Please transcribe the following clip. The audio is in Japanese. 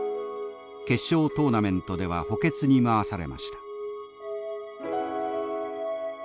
決勝トーナメントでは補欠に回されました。